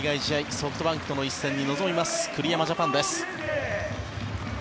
ソフトバンクとの一戦に臨みます栗山ジャパンです。